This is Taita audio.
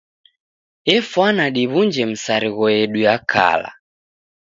Efwana diw'unje misarigho yedu ya kala.